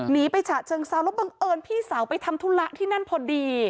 หนีไปฉะเชิงเซาแล้วบังเอิญพี่สาวไปทำธุระที่นั่นพอดี